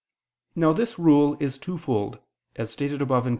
Now this rule is twofold, as stated above (Q.